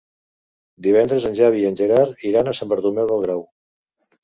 Divendres en Xavi i en Gerard iran a Sant Bartomeu del Grau.